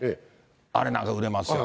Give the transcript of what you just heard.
あれなんか売れますよ。